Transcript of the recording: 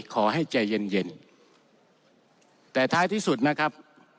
ขอให้ใจเย็นเย็นแต่ท้ายที่สุดนะครับ